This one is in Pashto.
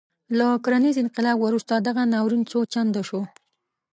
له کرنیز انقلاب وروسته دغه ناورین څو چنده شو.